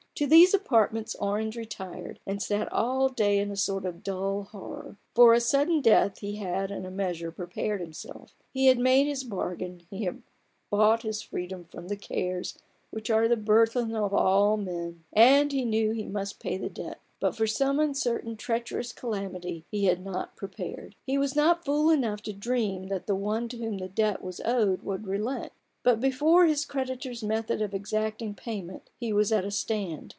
To these apartments Orange retired, and sat all day in a sort of dull horror. For a sudden death he had in a measure prepared himself: he had made his bargain, he had bought his freedom from the cares which are the burthen of all men, and he knew that he must pay the debt : but for some uncertain, treacherous calamity he had not prepared. He was not fool enough to dream that the one to whom the debt was owed would relent ; but before his creditor's method of exacting payment he was at a stand.